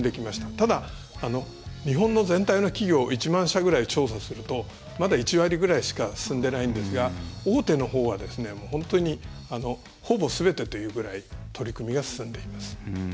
ただ、日本の全体の企業１万社ぐらいを調査すると、まだ１割ぐらいしか進んでいないんですが大手のほうは本当にほぼすべてというくらい取り組みが進んでいます。